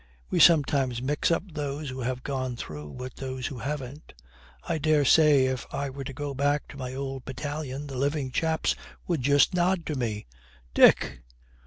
We sometimes mix up those who have gone through with those who haven't. I daresay if I were to go back to my old battalion the living chaps would just nod to me.' 'Dick!'